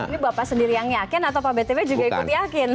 ini bapak sendiri yang yakin atau pak btp juga ikut yakin